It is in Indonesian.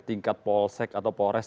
tingkat polsek atau polres